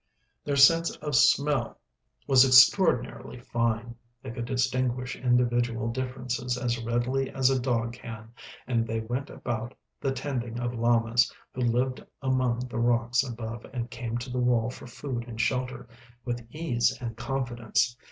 Their sense of smell was extraordinarily fine; they could distinguish individual differences as readily as a dog can, and they went about the tending of llamas, who lived among the rocks above and came to the wall for food and shelter, with ease and confidence.